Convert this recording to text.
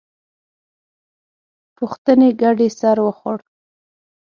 پوښتنې ګډې سر وخوړ.